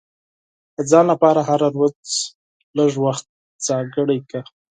د ځان لپاره هره ورځ لږ وخت ځانګړی کړه.